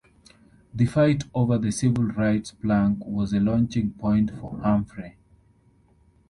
The fight over the civil rights plank was a launching point for Humphrey.